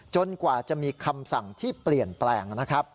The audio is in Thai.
กว่าจะมีคำสั่งที่เปลี่ยนแปลงนะครับ